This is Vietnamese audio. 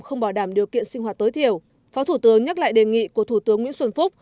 không bảo đảm điều kiện sinh hoạt tối thiểu phó thủ tướng nhắc lại đề nghị của thủ tướng nguyễn xuân phúc